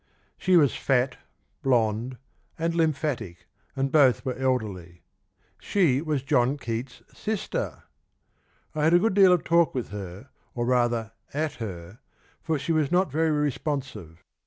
She was fat, blonde, and lymphatic, and both were elderly. She was John Keats' s sister! I had a good deal of talk with her, or rather at her, for she was not very responsive.